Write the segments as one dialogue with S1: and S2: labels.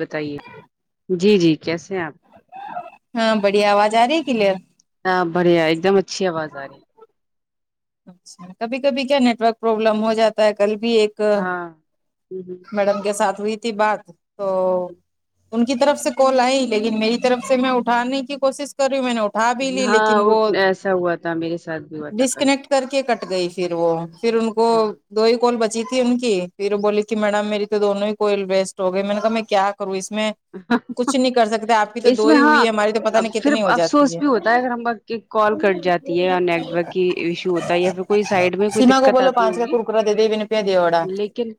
S1: بتائیے جی جی کیسے ہیں آپ
S2: ہاں بڑھیا آواز آ رہی ہے کلیئر
S1: ہاں بڑھیا ایک دم اچھی آواز آ رہی ہے
S2: اچھا کبھی کبھی کیا نیٹ ورک پروابلم ہو جاتا ہے کل بھی ایک کا
S1: ہاں ہمم،
S2: میڈم کے ساتھ ہوئی تھی بات تو ان کی طرف سے کال آئی لیکن میری طرف سے میں اٹھانے کی کوسس کر رہی ہوں میں نے اٹھا بھی لی
S1: ہاں
S2: لیکن وہ
S1: اٹ ایسا ہوا تھا میرے ساتھ بھی ہوا تھا کل
S2: ڈسکنیکٹ کر کے کٹ گئی پھر وہ پھر ان کو
S1: ہاں
S2: دو ہی کال بچی تھی ان کی پھر وہ بولی کہ میڈم میری تو دونوں ہی کویل ویسٹ ہو گئے میں نے کہا میں کیا کروں اس میں کچھ نہیں کر سکتے آپ کی تو
S1: اس
S2: دو
S1: میں
S2: ہی
S1: ہاں
S2: ہوئی ہے ہماری تو پتا
S1: اب
S2: نہیں
S1: پھر
S2: کتنی ہو جاتی
S1: افسوس
S2: ہے
S1: بھی ہوتا اگر ہم کال کٹ جاتی ہے اور نیٹورک کی ایشو ہو یا پھر کوئی سائڈ میں کوئی
S2: سیما کو
S1: دقت
S2: بولو
S1: آتی
S2: پانچ کا
S1: ہوگی
S2: کرکرا دے دے بیین روپیہ دے وڑا
S1: لیکن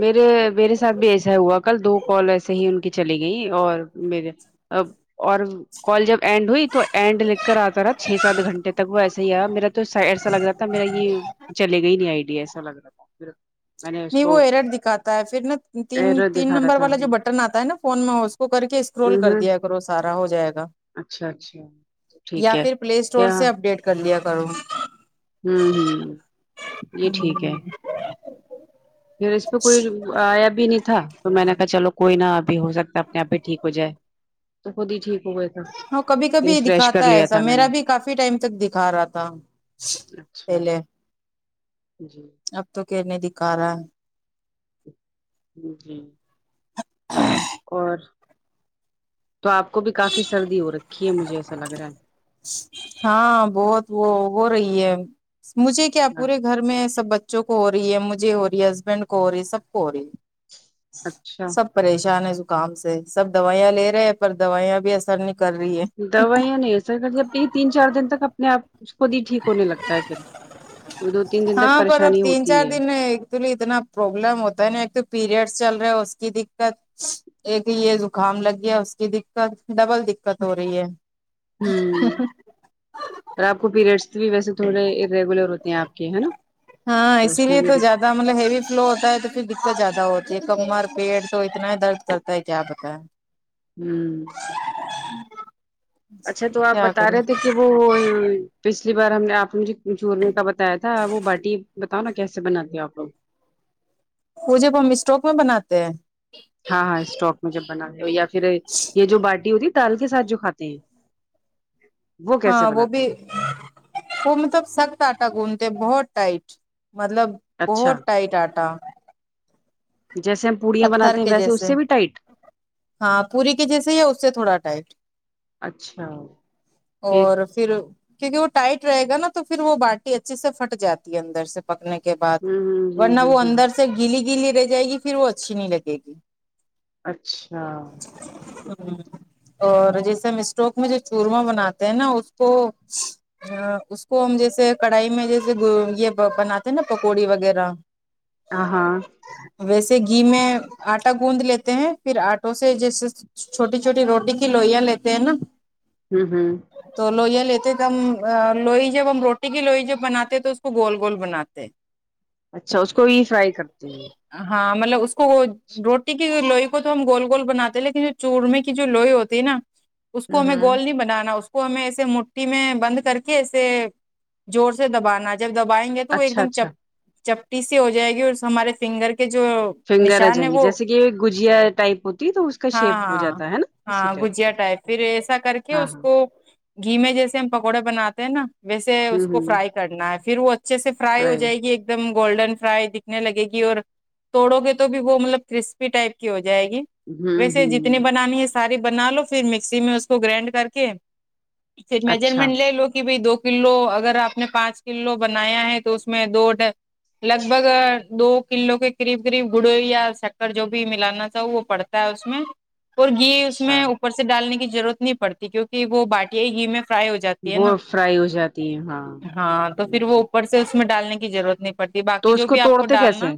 S1: میرے میرے ساتھ بھی ایسا ہوا کل دو کال ایسے ہی کہ چلی گئیں اور میرے اور کال جب اینڈ ہوئی تو اینڈ لکھ کر آتا رہا چھ سات گھنٹے تک وہ ایسا ہی آیا میرا تو س ایسا لگ رہا تھا میرا یہ چلے گئی نہیں آئیڈی ایسا لگ رہا تھا میں نے اس
S2: نہیں وہ
S1: کو
S2: ایرٹ دکھاتا ہے پھر نا تین
S1: ایرر
S2: تین
S1: دکھا رہا
S2: نمبر
S1: تھا
S2: والا جو
S1: ہوں
S2: بٹ آتا ہے نا فون میں اس کو کر کے اس ول کر
S1: ہوں
S2: دیا کرو سارا ہو جائے گا
S1: اچھا اچھا ٹھیک
S2: یا
S1: ہے
S2: پھر پلے اسٹور
S1: کیا
S2: سے اپڈیٹ کر لیا کرو
S1: ہمم ھمم یہ ٹھیک ہے پھر اس پہ کوئی آیا بھی نہیں تھا تو میں نے کہا چلو کوئی نہ ابھی ہو سکتا ہے اپنے آپ ہی ٹھیک ہو جائے تو خود ہی ٹھیک ہوا تھا
S2: وہ کبھی کبھی
S1: ریفریش کر
S2: دکھاتا ہے
S1: لیا
S2: ایسا
S1: تھا میں نے
S2: میرا بھی کافی ٹائم تک دکھا رہا تھا
S1: اچھا
S2: پہلے
S1: جی
S2: اب تو کھنے دکھا رہا ہے
S1: ھمم جی اور تو آپ کو بھی کافی سردی ہو رکھی ہے مجھے ایسا لگ رہا ہے
S2: ہاں بہت وہ ہو رہی ہے مجھے کیا
S1: ہاں
S2: پورے گھر میں سب بچوں کو ہو رہی ہے مجھے ہو رہی ہے ہسبینڈ کو ہو رہی ہے سب کو ہو رہی ہے
S1: اچھا
S2: سب پریشان ہے زکام سے سب دوائیاں لے رہے ہیں پر دوائیاں بھی اثر نہیں کر رہی ہے
S1: دوائیاں نہیں اثر کری آپی تین چار دن تک اپنے آپ اس کو بھی ٹھیک ہونے لگتا ہے پھر وہ دو تین دن تک
S2: ہاں پر اب
S1: پریشانی
S2: تین
S1: ہوتی
S2: چار
S1: ہے
S2: دن ایکچولی اتنا پروبلم ہوتا ہے نا ایک تو پیریڈس چل رہے اس کی دککت ایک تو یہ زکام لگ گیا اس کی دککت ڈبل دک کت ہو رہی ہے
S1: ہوں اور آپ پیریڈس بھی ویسے تھوڑے ارریگولر ہوتے ہیں آپ کے ہے
S2: ہاں
S1: تو
S2: اسی
S1: اس میں
S2: لیے
S1: بھی دککت
S2: زیادہ مطلب ہیوی فلو ہوتا ہے تو پھر دککت زیادہ ہوتی ہے کمر پیٹ تو اتنا ہی درد کرتا ہے کیا بتایں
S1: ھمم
S2: ہ
S1: اچھا تو آپ بتا رہے تھے کہ وہ پچھلی بار ہم نے آپ نے مجھے چورمے کا بتایا تھا وہ باٹی بتاؤ نا کیسے بناتے آپ لوگ
S2: وہ جب ہم اسٹوک میں بناتے ہیں
S1: ہاں ہاں اسٹوک میں جب بنا رہے ہو یا پھر یہ جو باٹی ہوتی ہے دال کے ساتھ جو کھاتے ہیں کیسے
S2: ہاں وہ
S1: بناتے
S2: بھی
S1: ہیں
S2: وہ مطلب سخت آٹا گوندتے بہت ٹائٹ مطلب
S1: اچھا
S2: بہت ٹائٹ آٹا
S1: جیسے ہم پوریاں
S2: پتھر
S1: بناتے ہیں
S2: کے
S1: ویسے اس
S2: جیسے
S1: سے بھی ٹائٹ
S2: ہاں پوری کے جیسے ہی اس سے تھوڑا ٹائٹ
S1: اچھا پھر
S2: اور پھر کیونکہ وہ ٹائٹ رہے گا نا تو پھر وہ باٹی اچھے سے پھٹ جاتی ہے اندر سے پکنے کے بعد
S1: ہوں ہوں ہوں
S2: ورنہ
S1: ہوں
S2: وہ
S1: ہوں
S2: اندر سے سب گیلی گیلی رہ جائے گی پھر وہ اچھی نہیں لگے گی
S1: اچھا
S2: [unintelligible] اور جیسے ہم اسٹوک میں جو چورما بناتے ہیں نا اس کو ھمم اس کو ہم جیسے کڑھائی میں جیسے یہ بناتے نا پکوڑی وغیرہ
S1: ہاں
S2: ویسے گھی میں آٹا گوند لیتے ہیں پھر آٹوں سے جیسے چھوٹی چھوٹی روٹی کی لوئیاں لیتے ہیں نا
S1: ھمم ھمم
S2: تو لوئیاں لیتے تو ہم لوئی جب ہم روٹی کی لوئی جب بناتے تو اس کو گول گول بناتے
S1: اچھا اس کو بھی فرائی کرتے ہیں
S2: ہاں مطلب اس کو روٹی کی لوئی کو تو ہم گول گول بناتے لیکن جو چورمے کی جو لوئی ہوتی ہے نا اس کو
S1: ہوں
S2: ہمیں
S1: ہوں
S2: گول نہیں بنانا اس کو ہمیں ایسے موٹھی میں بند کر کے ایسے ذور سے دبانا جب دبائیں گے تو وہ ایک
S1: اچھا
S2: دم
S1: اچھا
S2: چپٹی سی ہو جائے گی ہمارے فنگر کے جو
S1: فنگر آ
S2: نشان ہے
S1: جائیں گے
S2: وہ
S1: جیسے کہ گجیا ٹائپ ہوتی ہے تو اس کا
S2: ہاں
S1: شیپ ہو
S2: ہاں
S1: جاتا ہے نا اسی
S2: ہاں
S1: کا
S2: گجیا ٹائپ پھر ایسا کر کے
S1: ہاں
S2: اس
S1: ہاں
S2: کو گھی میں جیسے ہم پکوڑے بناتے ہیں نا ویسے
S1: ہوں
S2: اس کو
S1: ہوں
S2: فرائی کرنا ہے پھر وہا اچھے سے فرائی ہو
S1: رائٹ
S2: جائے گی ایک دم گولڈن فرائی دکھنے لگے گی اور توڑو گے تو تو وہ مطلب کرسپی ٹائپ کی ہو جائے گی
S1: ہوں
S2: ویسے جتنی
S1: ہوں
S2: بنانی ہے سارے بنا لو پھر مکسی میں اس کو گرائنڈ کر کے پھر
S1: اچھا
S2: میجرمنٹ لے لو کہ بھی دو کلو اگر آپ نے پانچ کلو بنایا ہے تو اس میں دو ڈ لگ بھگ دو کلو کے قریب کرریب گڑو یا شکر جو بھی ملانا چاہ وہ پڑتا ہے اس میں اور گھی اس
S1: اچھا
S2: میں اوپر سے سے ڈالنے کی ضرورت نہیں پڑتی کیونکہ وہ باٹیا گھی میں فرائی ہو جاتی ہے نا
S1: وہ فرائی ہو جاتی ہے
S2: ہاں تو پھر وہ
S1: ٹھیک
S2: اوپر سے اس میں ڈالنے کی ضرورت نہیں پٹی
S1: تو
S2: باقی
S1: اس
S2: جو بھی آپ کو
S1: توڑتے کیسے
S2: ڈالنا
S1: ہیں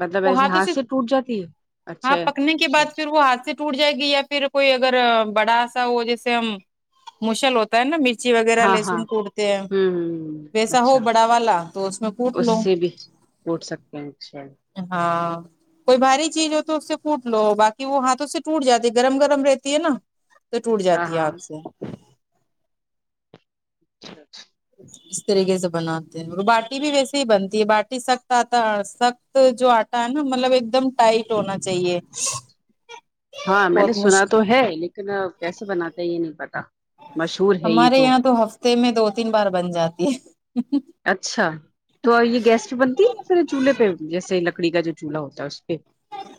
S1: مطلب
S2: وہ
S1: ایسے
S2: ہاتھوں سے
S1: ہاتھ ٹوٹ جاتی ہے اچھا
S2: ہاں پکنے کے
S1: اچھا
S2: بعد
S1: اچھا
S2: پھر وہ ہاتھ سے ٹوٹ جائے گی یا پھر کوئی اگر بڑاسا ہو جیسے ہم مشل ہوتے تا ہے نا مرچی وغیرہ
S1: ہاں ہاں
S2: لہسن کوڑتے ہیں
S1: ہوں ہ
S2: ویسا ہو
S1: اچھا
S2: بڑا والا تو اس میں کوٹ
S1: اس
S2: لو
S1: سے بھی کوٹ سکتے ہیں ش
S2: ہاں کوئی بھاری چیز ہو تو اس سے پوٹ لو باقی وہ ہاتھوں سے ٹوٹ جاتی ہے گرم گرم رہتی ہے نا تو ٹوٹ
S1: ہاں
S2: جاتی ہے
S1: ہاں
S2: ہات سے اس طریقے سے بناتے ہیں اور باٹی بھی ویسے ہی بنتی ہے باٹی سخت آتا ہے اور سخت جو آٹا ہے نا مطلب ایک دم ٹائٹ ہونا چاہیے
S1: ہاں میں نے
S2: بہت
S1: سنا
S2: مشکل
S1: تو ہے لیکن کیسے بناتے ہیں یہ نہیں پتا مشہور ہے یہ
S2: ہمارے یہاں تو ہفتے میں دو تین بار بن جاتی ہے
S1: اچھا تو یہ گیس پہ بنتی ہے یا پھر چولہے پہ جیسے لکڑی کا جو چولہا ہوتا ہے اس پہ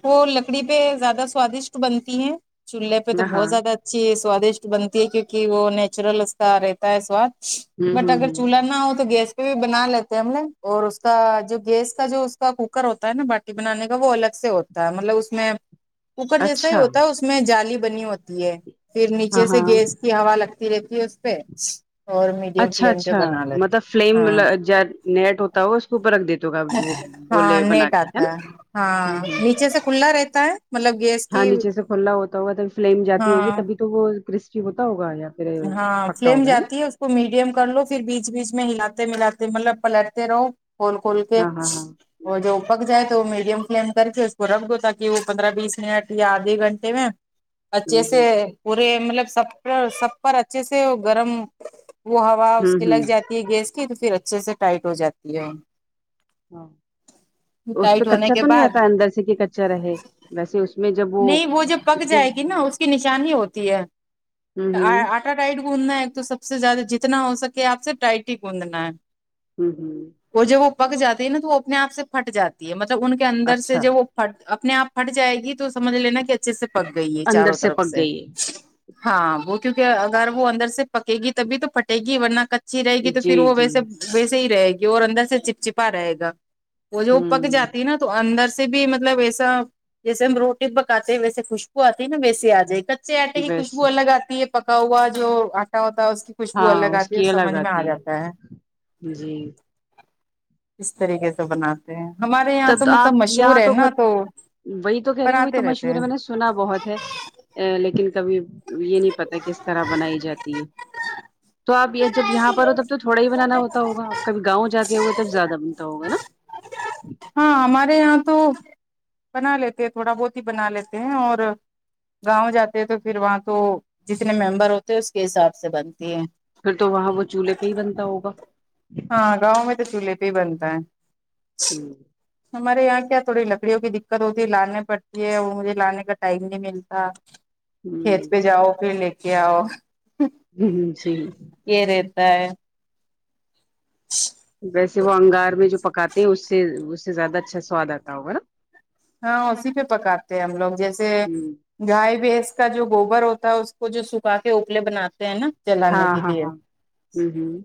S2: وہ لکڑی پہ زیادہ سوادشٹ بنتی ہیں چولہے پہ تو
S1: ہاں
S2: بہت
S1: ہاں
S2: زیادہ اچھی سوادشٹ بنتی ہے کیونکہ وہ نیچرل اس کا رہتا ہے سواد
S1: ہوں
S2: بٹ اگر
S1: ہ ہ
S2: چولہا نہ ہو تو گیس بنا لیتے ہیں ہم لوگ اور اس کا جو گیس کا جو اس کا کوکر ہوتا ہے نا باٹی بنانے کا وہ الگ سے ہوتا ہے مطلب اس میں کوکر جیسا ہی
S1: اچھا
S2: ہوتا ہے اس میں جالی بنی ہوتی ہے پھر
S1: ہاں
S2: نیچے سے
S1: ہاں
S2: گیس کی ہوا لگتی رہتی ہے اس پہ اور میڈیم
S1: اچھا
S2: فلیم پہ
S1: اچھا
S2: بنا
S1: مطلب
S2: لیتے
S1: فلیم
S2: ہاں
S1: ج نیٹ ہوتا ہو اس کو اوپر رکھ دیتے کاا
S2: ہاں
S1: گولے بنا
S2: نیٹ
S1: کے ہے
S2: آتا ہاں
S1: نا
S2: نیچے سے کھلا رہتا ہے مطلب گیس
S1: ہاں
S2: کی
S1: نیچے سے کھلا ہوتا ہوگا تب فلیم جاتی ہوگی
S2: ہاں
S1: تبھی تو وہ کرسکی ہوتا ہوگا یار
S2: ہاں فلیم جاتی ہے کو میڈیم کر لو پھر بیچ بیچ میں ہلاتے ملاتے مطلب پلٹتے رہو کول کول کے
S1: ہاں ہاں ہاں
S2: اور جو پک جائے تو وہ میڈیم فلیم کر کے اس کو رکھ دو تاکہ وہ پندرہ بیس منٹ یا آدھے گھنٹے میں اچھے
S1: ہوں
S2: سے
S1: ہوں
S2: پورے مطلب سب پر سب پر اچھے سے وہ گرم وہ ہوا اس
S1: ہوں
S2: کی لگ
S1: ہوں
S2: جاتی ہے گیس کی تو پھر اچھے سے ٹائٹ ہو جاتی ہے
S1: ہاں اس پہ
S2: ٹائٹ ہونے
S1: کچا
S2: کے
S1: تو نہیں
S2: بعد
S1: رہتا اندر سے کہ کچا رہے ویسے اس میں جب
S2: نہیں وہ جب پک
S1: اس میں
S2: جائے گی نا اس کی نشان ہی ہوتی ہے
S1: ہوں ہوں
S2: اٹا تائٹ گوندنا ہے ایک تو سب سے زیادہ جتنا ہو سکے آ سے ٹائٹ ہی گوندھنا ہے
S1: ہمم ہمم
S2: اور جب وہ پک جاتی ہے نا تو وہ اپنے آپ سے پھٹ جاتی ہے مطلب ان کے اندر سے
S1: اچھا
S2: جب وہ پٹ اپنے آپ پھٹ جائے گی تو سمجھ لینا کہ اچھے سے پک گئی ہے
S1: اندر
S2: چاروں طرف
S1: پک
S2: سے
S1: گئی ہے
S2: ہاں وہ کیونکہ اگر وہ اندر سے پکے گی تبھی تو پھٹے گی ورنہ اچھی رہے گی تو
S1: جی
S2: پھر وہ
S1: جی
S2: ویسے ویسے ہی رہے گی اور اندر سے چپچپا رہے گا وہ جو پک
S1: ہوں
S2: جاتی نا تو اندر سے بھی مطلب ایسا جیسے ہم رو بکاتے ویسے خوشبو آتی ہے نا ویس آ جائے کچے آٹے کی
S1: بس
S2: خوشبو الگ آتی ہے پکا ہوا جو آٹا ہوتا ہے اس کی خوشبو الگ
S1: ہاں اس
S2: آتی ہے
S1: کی الگ
S2: سمجھ میں آ
S1: آتی
S2: جاتا ہے
S1: ہے جی
S2: اس طریقے سے بناتے ہیں ہمارے یہاں
S1: تب
S2: تو
S1: آپ
S2: مطلب مشہور
S1: یہاں
S2: ہے نا
S1: بہت
S2: تو
S1: وہی تو کہہ رہیوںی تو
S2: بناتے رہتے
S1: مشہور ہے
S2: ہیں
S1: میں نے سنا بہت ہے لیکن کبھی یہ نہیں پتا کس طرح بنائی جاتی ہے تو اپ یہ جب یہاں پر ہو تب تو تھوڑا ہی بنانا ہوتا ہوگا اپ کب گاؤں جاتے ہوئے تب زیادہ بنتا ہوگا نا
S2: ہاں ہمارے یہاں تو بنا لیتے ہے تھوڑا بہت ہی بنا لیتے ہے اور گاؤں جاتے ہیں تو پھر وہاں تو جتنے ممبر ہوتے ہے اس کے حساب سے بنتی ہے
S1: پھر تو وہاں وہ چولہے پہ ہی بنتا ہوگا
S2: ہاں گاؤں میں تو چولہے پہ بنتا ہے
S1: ہ
S2: ہمارے یہاں کیا تھوڑی لکڑیوں کی دقت ہوتی ہے لانی پڑتی ہے اور مجھے لانے کا ٹائم نہیں ملتا کھیت پہ جاؤ پھر لے کے اؤ
S1: ہم صحیح
S2: یہ رہتا ہے
S1: ویسے وہ انگار میں جو پکاتے ہیں اس سے اس سے زیادہ اچھا سواد اتا ہوگا نا
S2: ہاں اسی پہ پکاتے ہم لوگ جیسے
S1: ہ
S2: گائے بھینس کا جو گوبر ہوتا ہے اس کو جو سکھا کے اوپلے بناتے ہیں نا
S1: ہاں
S2: جلانے کے
S1: ہاں ہاں
S2: لیے
S1: ہم ہم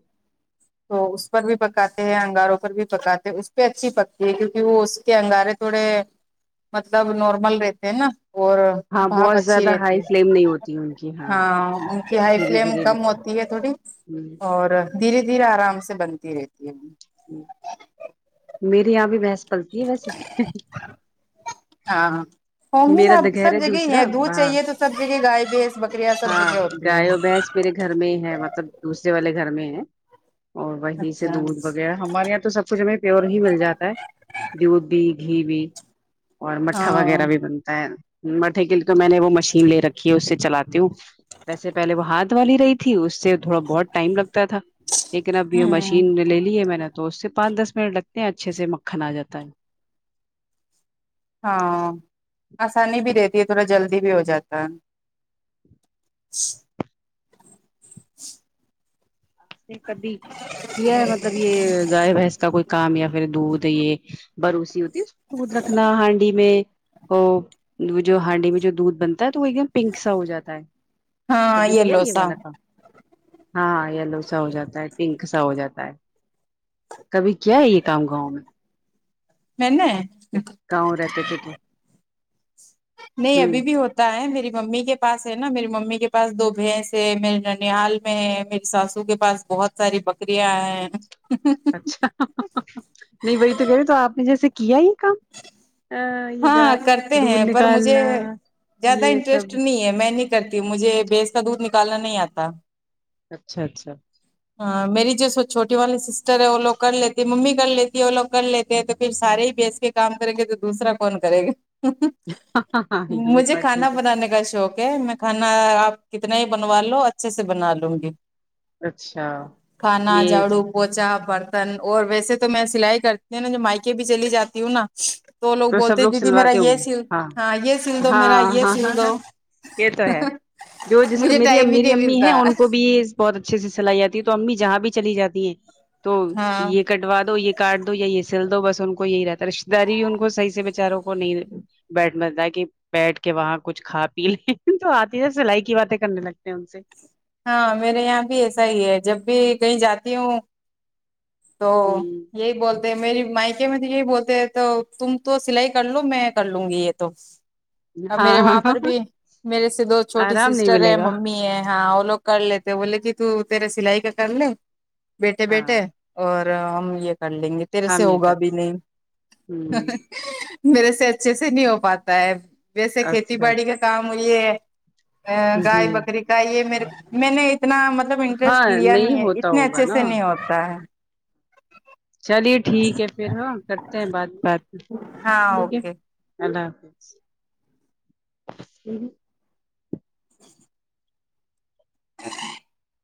S2: تو اس پر بھی پکاتے ہیں انگاروں پر بھی پکاتے ہیں اس پہ اچھی پکتی ہے کیونکہ وہ اس کے انگارے تھوڑے مطلب نارمل رہتے نا
S1: ہاں
S2: بھاپ
S1: بہت
S2: اچھی
S1: زیادہ
S2: رہتی
S1: ہائی فلیم نہیں
S2: ہے
S1: ہوتی ان کی
S2: ہاں ان کی ہائی
S1: دھیرے
S2: فلیم
S1: دھیرے
S2: کم
S1: لگتی
S2: ہوتی ہے تھوڑی
S1: ہ
S2: اور دھیرے دھیرے ارام سے بنتی رہتی ہے
S1: میری یہاں بھی بھینس پلتی ہے ویسے
S2: ہاں فر می
S1: میرا
S2: میں
S1: د-
S2: سب
S1: گھر
S2: جگہ ہے
S1: دوسرا
S2: دودھ
S1: وہاں
S2: چاہیے تو سب جگہ گائے بھینس بکریاں سب
S1: ہاں
S2: جگہ ہوتی ہے
S1: گائے اور بھینس میرے گھر میں ہے مطلب دوسرے والے گھر میں ہے اور وہیں سے
S2: اچھا
S1: دودھ وغیرہ ہمارے یہاں تو سب فوج میں پیور گھی مل جاتا ہے دودھ بھی گھی بھی اور مٹھا
S2: ہاں
S1: وغیرہ بھی بنتا ہے مٹھے کے لیے تو میں نے وہ مشین لے رکھی ہے اس سے چلاتی ہوں ویسے پہلے وہ ہاتھ والی رہی تھی اس سے تھوڑا بہت ٹائم لگتا تھا لیکن اب یہ
S2: ہوں
S1: مشین لے لی ہے میں نے تو اس سے پانچ دس منٹ لگتے ہیں اچھے سے مکھن ا جاتا ہے
S2: ہاں اسانی بھی رہتی ہے تھوڑا جلدی بھی ہو جاتا ہے [unintelligible] چھ
S1: آپ کبھی کیا ہے مطلب یہ گائے بھینس کا کوئی کام یا پھر دودھ یہ بروسی ہوتی اس دودھ رکھنا ہانڈی میں ہو جو ہانڈی میں جو دودھ بنتا ہے تو وہ ایک دم پنک سا ہو جاتا ہے
S2: ہاں
S1: کبھی کیا ہے یہ
S2: لوسا
S1: والا کام ہاں یلو اچھا ہو جاتا ہے پنک سا ہو جاتا ہے کبھی کیا ہے یہ کام گاؤں میں
S2: میں نے
S1: گاؤں رہتے تھے تو
S2: نہیں
S1: ہوں
S2: ابھی بھی ہو ہوتا ہے میری ممی کے پاس ہے نا میری ممی کے پاس دو بھینس ہے میرے ننیھال میں ہے میری ساسو کے پاس بہت ساری بکریاں ہے
S1: اچھا نہیں وہی تو کہ رہے تو اپ نے جیسے کیا یہ کام ہاں یہ گائے
S2: کرتے
S1: دودھ
S2: ہیں پر مجھے
S1: نکالنا
S2: زیادہ
S1: یہ سب
S2: انٹرسٹ نہیں ہے میں نہیں کرتی مجھے بیس کا دودھ نکالنا نہیں اتا
S1: اچھا اچھا
S2: ہاں میری جو چھوٹی والی سسٹر ہے وہ لوگ کر لیتی ممی کر لیتی ہے وہ لوگ کر لیتے ہیں تو پھر سارے ہی بیس کے کام کریں گے تو دوسرا کون کرے گا
S1: ہاں ہاں ہاں یہ
S2: مجھے
S1: بات
S2: کھانا
S1: ٹھیک
S2: بنانے کا شوق ہے میں کھانا آپ کتنا ہی بنوا لو اچھے سے بنا لوں گی
S1: ہے اچھا
S2: کھانا
S1: یہ
S2: جھاڑو پوچا برتن اور ویسے تو میں سلائی کرتی ہوں نا جو مائکے بھی چلی جاتی ہوں نا تو لوگ
S1: سب
S2: بولتے دیدی میرا
S1: سلواتے ہوں
S2: یہ
S1: گے
S2: سل ہاں یہ سل دو میرا
S1: ہاں
S2: یہ
S1: ہاں
S2: سل
S1: ہاں
S2: دو
S1: ہاں یہ تو ہے جو جس کو
S2: مجھے
S1: میری
S2: ٹائم ہی
S1: میری
S2: نہیں
S1: امی ہے
S2: ملتا
S1: ان کو بھی بہت اچھے سے سلائی آتی ہے تو امی جہاں بھی چلی جاتی ہیں تو
S2: ہاں
S1: یہ کٹوا دو یہ کاٹ دو یا یہ سل دو بس ان کو یہی رہتا ہے رشتتے داری ان کو صحیح سے بےچاروں کو نہیں بیڈ مہ کہ بیٹھ کے وہاں کچھ کھا پی لیں جو آتے ہے نا سلائی کی باتیں کرنے لگتے ہیں ان سے
S2: ہاں میرے یہاں بھی ایسا ہی ہے جب بھی کہیں جاتی ہوں تو
S1: ہوں
S2: یہ بولتے میری مائکے میں یہی بولتے ہیں تو تم تو سلائی کر لو میں کر لوں گی یہ تو اور
S1: ہاں
S2: میرے
S1: ہاں
S2: وہاں پر
S1: ہاں
S2: بھی میرے سے دو چھوٹی
S1: آرام نہیں
S2: سسٹر ہیں
S1: ملے گا
S2: ممی ہے ہاں وہ لوگ کر لیتے بولے کہ تو تیرے سلائی کا کر لے بیٹھے بیٹھے
S1: ہاں
S2: اور ہم یہ کر لیں گے تیرے سے
S1: ہم یہ
S2: ہوگا
S1: کر
S2: بھی نہیں
S1: ہ
S2: میرے سے اچھے سے نہیں ہو پاتا ہے ویسے کھیتی
S1: اچھا
S2: باڑی
S1: اچھا
S2: کا کام یہ ایں گائے
S1: جی
S2: بکری کا یہ میرے کومیں نے اتنا مط مطلب
S1: ہاں
S2: انٹرسٹ لیا نہیں ہے
S1: ہوتا
S2: اتنے
S1: ہوگا
S2: اچھے
S1: نا
S2: سے نہیں ہوتا ہے
S1: چلیے ٹھیک ہے پھر ہاں کرتے ہیں بات بعد میں
S2: ہاں اوکے
S1: اللہ حافظ
S2: ا [unintelligible] ا [unintelligible]